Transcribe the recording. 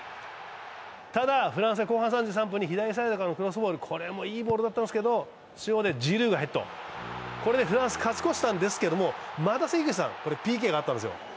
ただフランスが後半３３分、左からのシュート、これもいいボールだったんですが中央でジルーがヘッド、これでフランスが勝ち越したんですが、またＰＫがあったんですよ。